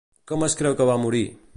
Com es creu que va morir?